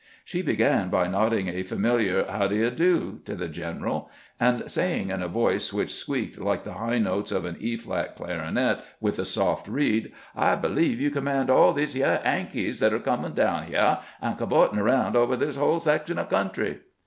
She began by nodding a familiar " How do you do ?" to the general, and saying in a voice which squeaked like the high notes 148 CAMPAIGNING "WITH GKANT of an E flat clarinet with a soft reed: "I believe you command all these h'yah Yankees that are comin' down h'yah and cavortin' round over this whole section of country."